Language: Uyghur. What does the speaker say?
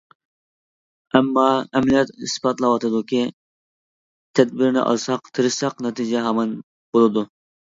ئەمما، ئەمەلىيەت ئىسپاتلاۋاتىدۇكى، تەدبىرىنى ئالساق، تىرىشساق، نەتىجە ھامان بولىدۇ.